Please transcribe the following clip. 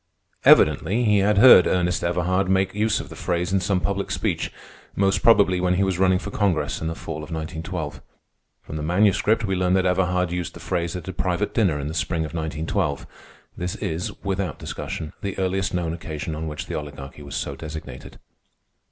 Evidently he had heard Ernest Everhard make use of the phrase in some public speech, most probably when he was running for Congress in the fall of 1912. From the Manuscript we learn that Everhard used the phrase at a private dinner in the spring of 1912. This is, without discussion, the earliest known occasion on which the Oligarchy was so designated.